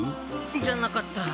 じゃなかった。